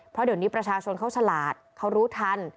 เพราะเดี๋ยวนี้ประชาชนเขาฉลาดเขารู้ทัน